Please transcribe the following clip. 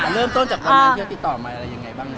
เริ่มต้นจากตอนนั้นเดี๋ยวติดต่อมาอะไรยังไงบ้างนะ